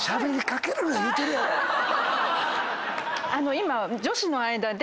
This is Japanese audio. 今。